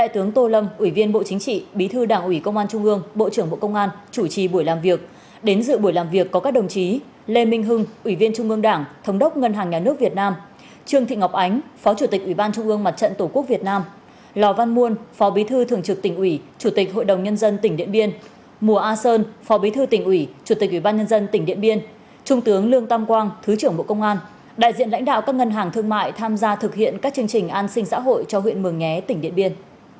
hôm nay tại hà nội bộ công an tổ chức buổi làm việc với ủy ban trung ương mặt trận tổ quốc việt nam ngân hàng nhà nước việt nam tỉnh ủy ban nhân dân tỉnh điện biên và các đơn vị liên quan để sơ kết giai đoạn một thực hiện chủ trương hỗ trợ xây dựng sửa chữa nhà ở cho các hộ dân nghèo tại huyện mường nhé tỉnh điện biên